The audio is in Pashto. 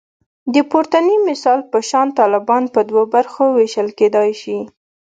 د پورتني مثال په شان طالبان په دوو برخو ویشل کېدای شي